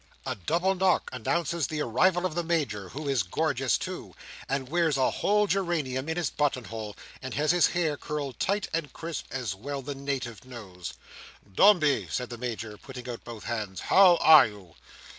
A double knock announces the arrival of the Major, who is gorgeous too, and wears a whole geranium in his button hole, and has his hair curled tight and crisp, as well the Native knows. "Dombey!" says the Major, putting out both hands, "how are you?"